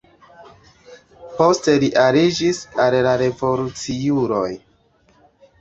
Poste li aliĝis al la revoluciuloj.